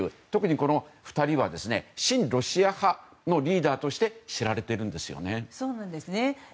特に、この２人は親ロシア派のリーダーとして知られているんですよね。